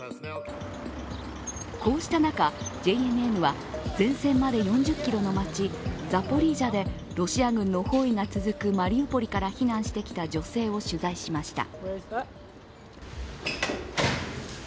こうした中、ＪＮＮは前線まで４０ｋｍの街ザポリージャでロシア軍の包囲が続くマリウポリから避難してきた女性を取材しました。